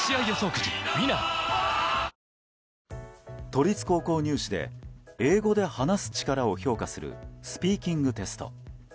都立高校入試で英語で話す力を評価するスピーキングテスト。